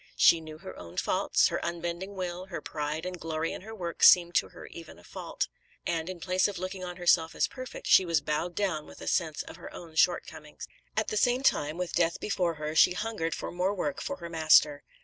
She knew her own faults, her unbending will her pride and glory in her work seemed to her even a fault; and, in place of looking on herself as perfect she was bowed down with a sense of her own short comings. At the same time with death before her, she hungered for more work for her Master.